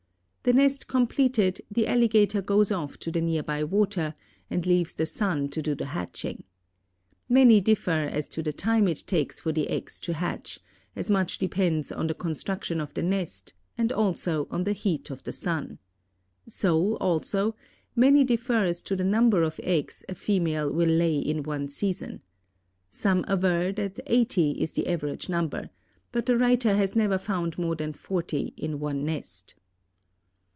The nest completed, the alligator goes off to the nearby water, and leaves the sun to do the hatching. Many differ as to the time it takes for the eggs to hatch, as much depends on the construction of the nest, and also on the heat of the sun. So, also, many differ as to the number of eggs a female will lay in one season. Some aver that eighty is the average number, but the writer has never found more than forty in one nest.